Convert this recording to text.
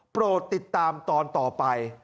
โปรดติดตามตอนต่อไป